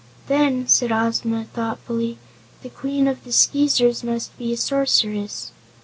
"Then," said Ozma thoughtfully, "the Queen of the Skeezers must be a Sorceress."